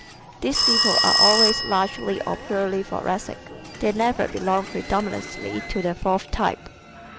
These people are always largely or purely Thoracic. They never belong predominately to the fourth type.